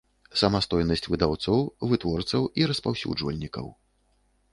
Самастойнасць выдаўцоў, вытворцаў i распаўсюджвальнiкаў.